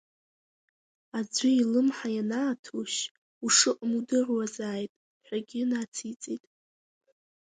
Аӡәы илымҳа ианааҭушь, ушыҟам удыруазааит, ҳәагьы нациҵеит.